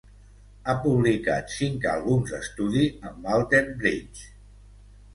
Ha publicat cinc àlbums d'estudi amb Alter Bridge.